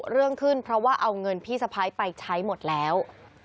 เรื่องขึ้นเพราะว่าเอาเงินพี่สะพ้ายไปใช้หมดแล้ว